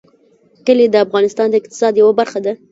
کلي د افغانستان د اقتصاد یوه برخه ده.